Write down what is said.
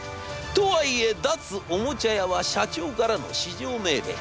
とはいえ脱・おもちゃ屋は社長からの至上命令。